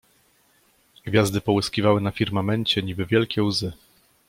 Gwiazdy połyskiwały na firmamencie niby wielkie łzy.